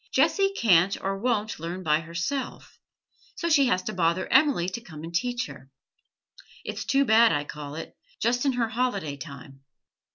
'Jessie can't or won't learn by herself, so she has to bother Emily to come and teach her. It's too bad, I call it, just in her holiday time.